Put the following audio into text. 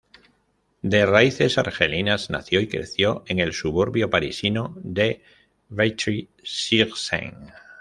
De raíces argelinas, nació y creció en el suburbio parisino de Vitry-sur-Seine.